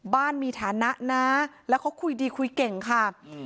บ้านมีฐานะนะแล้วเขาคุยดีคุยเก่งค่ะ